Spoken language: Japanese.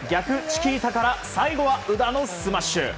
チキータから最後は宇田のスマッシュ。